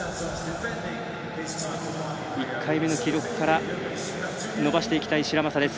１回目の記録から伸ばしていきたい白砂です。